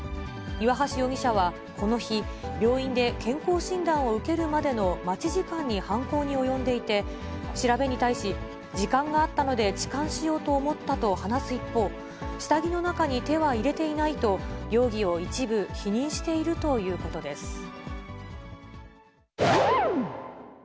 岩橋容疑者はこの日、病院で健康診断を受けるまでの待ち時間に犯行に及んでいて、調べに対し、時間があったので痴漢しようと思ったと話す一方、下着の中に手は入れていないと、容疑を一部、否認しているということです。